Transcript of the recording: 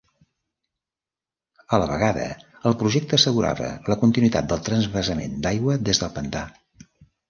A la vegada el projecte assegurava la continuïtat del transvasament d'aigua des del pantà.